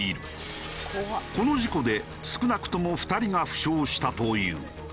この事故で少なくとも２人が負傷したという。